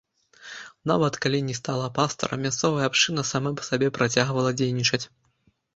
Нават калі не стала пастара, мясцовая абшчына сама па сабе працягвала дзейнічаць.